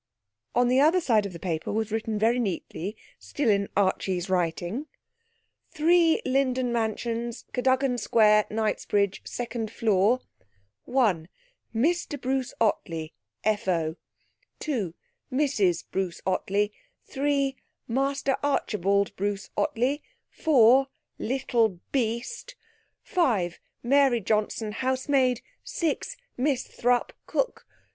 On the other side of the paper was written very neatly, still in Archie's writing: '3 LINDEN MANSIONS, CADOGAN SQUARE, KNIGHTSBRIDGE. Second Floor 1. Mr Bruce Ottley (FO) 2. Mrs Bruce Ottley 3. Master Archibald Bruce Ottley 4. Little beast 5. Mary Johnson housemaid 6. Miss Thrupp Cook 7.